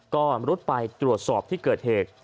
ก็รุดไปตรวจสอบที่เกิดเหตุ